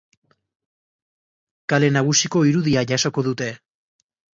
Kale nagusiko irudia jasoko dute.